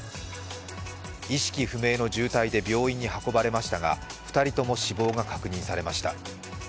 意識不明の重体で病院に運ばれましたが２人とも死亡が確認されました。